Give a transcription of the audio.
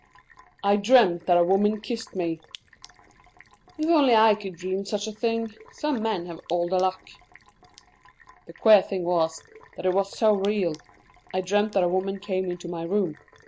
"I dreamt that a woman kissed me!" "If I could only dream such a thing. Some men have all the luck." "The queer thing was, that it was so real. I dreamt that a woman came into my room.